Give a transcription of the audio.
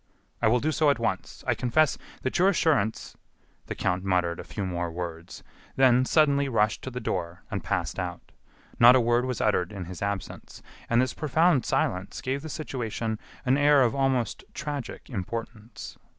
"I will do so at once....I confess that your assurance " The count muttered a few more words; then suddenly rushed to the door and passed out. Not a word was uttered in his absence; and this profound silence gave the situation an air of almost tragic importance.